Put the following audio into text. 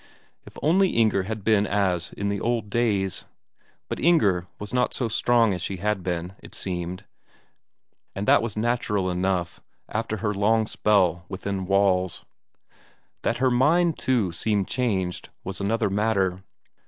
If only Inger had been as in the old days! But Inger was not so strong as she had been, it seemed, and that was natural enough after her long spell within walls. That her mind, too, seemed changed was another matter.